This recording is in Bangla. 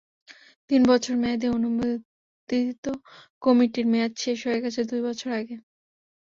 তিন বছর মেয়াদি অনুমোদিত কমিটির মেয়াদ শেষ হয়ে গেছে দুই বছর আগে।